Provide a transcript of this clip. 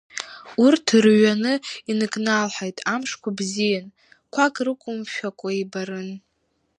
Урҭ рҩаны иныкналҳаит, амшқәа бзиан, қәак рықәымшәакәа ибарын.